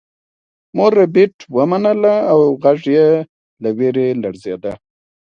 مور ربیټ ومنله او غږ یې له ویرې لړزیده